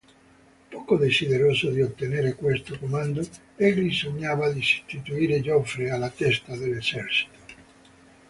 Poco desideroso di ottenere questo comando egli sognava di sostituire Joffre alla testa dell'esercito.